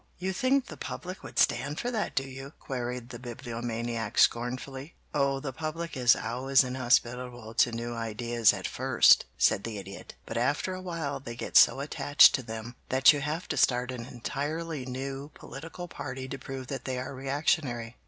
"You think the public would stand for that, do you?" queried the Bibliomaniac scornfully. "Oh, the public is always inhospitable to new ideas at first," said the Idiot, "but after a while they get so attached to them that you have to start an entirely new political party to prove that they are reactionary.